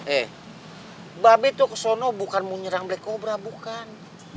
eh babi tuh kesana bukan mau nyerang black cobra bukan